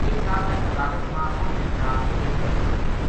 ایک سال تک عدالت ما اُنھ کے خلاف کیس لگو رہیو